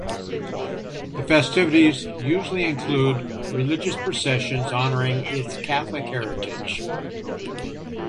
The festivities usually include religious processions honoring its Catholic heritage.